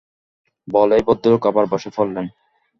বলেই ভদ্রলোক আবার বসে পড়লেন।